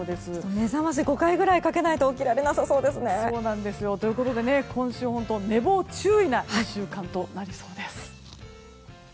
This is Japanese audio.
目覚まし５回くらいかけないと起きられなさそうですね。ということで今週は寝坊に注意な１週間となりそうです。